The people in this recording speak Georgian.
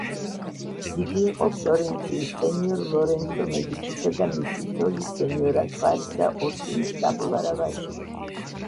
იგი იყო ფლორენციის სენიორ ლორენცო მედიჩისა და მისი ცოლის, სენიორა კლარისა ორსინის ნაბოლარა ვაჟი.